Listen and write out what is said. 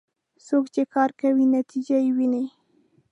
څوک چې کار کوي، نتیجه یې ويني.